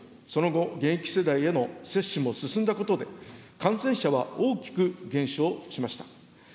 その後、現役世代への接種も進んだことで、感染者は大きく減少しました。